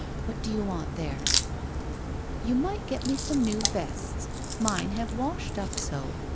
What do you want there ?'' You might get me some new vests. Mine have washed up so.